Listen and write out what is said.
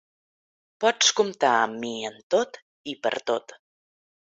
Pots comptar amb mi en tot i per tot.